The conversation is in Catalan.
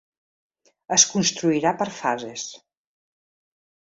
Es construirà per fases.